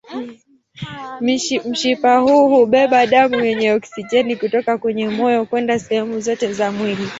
Mshipa huu hubeba damu yenye oksijeni kutoka kwenye moyo kwenda sehemu zote za mwili.